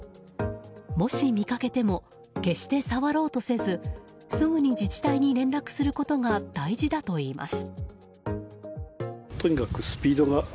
もし見かけても決して触ろうとせずすぐに自治体に連絡することが大事だといいます。